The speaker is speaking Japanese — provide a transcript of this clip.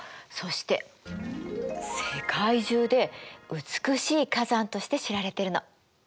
そして世界中で美しい火山として知られてるの。